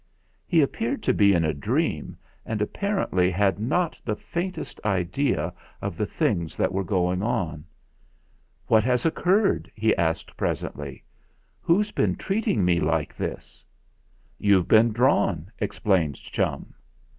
He appeared to be in a dream, and appar ently had not the faintest idea of the things that were going on. "What has occurred?" he asked presently. "Who's been treating me like this?" THE FIGHT 313 "You've been drawn," explained Chum.